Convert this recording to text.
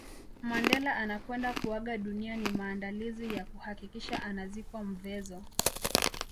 Mandela anakwenda kuaga dunia ni maandalizi ya kuhakikisha anazikwa Mvezo